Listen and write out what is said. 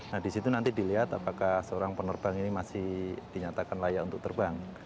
nah di situ nanti dilihat apakah seorang penerbang ini masih dinyatakan layak untuk terbang